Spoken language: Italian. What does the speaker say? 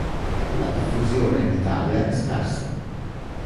La diffusione in Italia è scarsa.